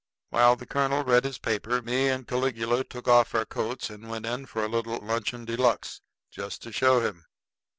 While the colonel read his paper, me and Caligula took off our coats and went in for a little luncheon de luxe just to show him.